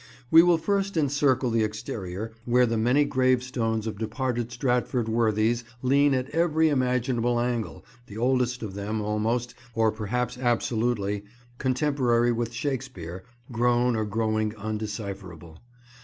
We will first encircle the exterior, where the many gravestones of departed Stratford worthies lean at every imaginable angle, the oldest of them, almost, or perhaps absolutely, contemporary with Shakespeare, grown or growing undecipherable.